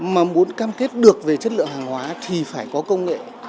mà muốn cam kết được về chất lượng hàng hóa thì phải có công nghệ